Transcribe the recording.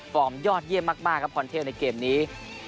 ยอดเยี่ยมมากครับพรเทพในเกมนี้